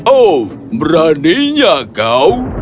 oh beraninya kau